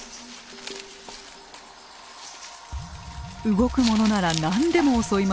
動くものなら何でも襲います。